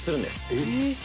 「えっ？」